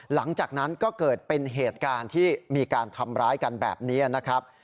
หลังจากนั้นก็เกิดเป็นเหตุการณ์ที่มีการทำร้ายกันแบบนี้นะครับ